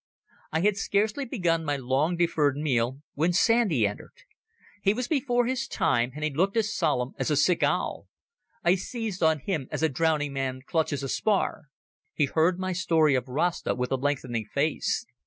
I had scarcely begun my long deferred meal when Sandy entered. He was before his time, and he looked as solemn as a sick owl. I seized on him as a drowning man clutches a spar. He heard my story of Rasta with a lengthening face.